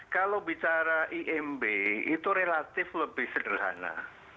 kalau bicara imb itu relatif lebih sederhana